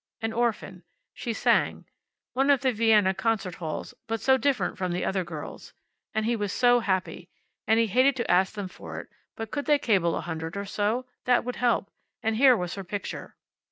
An orphan. She sang. One of the Vienna concert halls, but so different from the other girls. And he was so happy. And he hated to ask them for it, but if they could cable a hundred or so. That would help. And here was her picture.